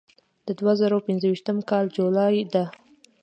د دوه زره پنځه ویشتم کال جولای ده.